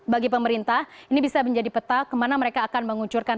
bagi pemerintah ini bisa menjadi peta kemana mereka akan menguncurkan